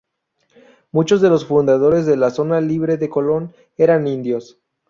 Muchos de los fundadores de la Zona Libre de Colón eran indios.